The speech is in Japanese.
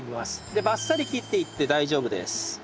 でバッサリ切っていって大丈夫です。